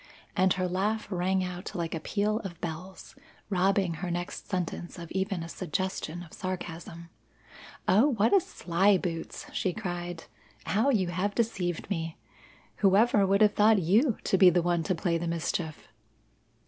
and her laugh rang out like a peal of bells, robbing her next sentence of even a suggestion of sarcasm. "Oh, what a sly boots!" she cried. "How you have deceived me! Whoever would have thought you to be the one to play the mischief!"